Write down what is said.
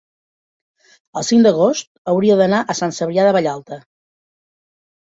el cinc d'agost hauria d'anar a Sant Cebrià de Vallalta.